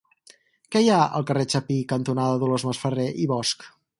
Què hi ha al carrer Chapí cantonada Dolors Masferrer i Bosch?